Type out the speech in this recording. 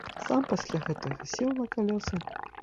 Сам пасля гэтага сеў на калёсы.